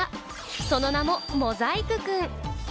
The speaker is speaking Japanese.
その名もモザイクくん。